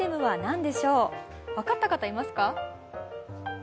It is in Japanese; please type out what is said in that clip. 分かった方、いますか？